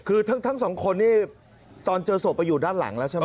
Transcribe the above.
คือทั้งสองคนนี่ตอนเจอศพไปอยู่ด้านหลังแล้วใช่ไหม